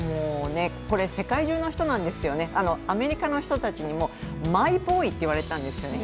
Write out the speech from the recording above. これ、世界中の人なんですよね、アメリカの人たちにも、マイボーイって言われてたんです。